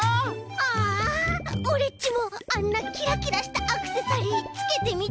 ああオレっちもあんなキラキラしたアクセサリーつけてみたいな！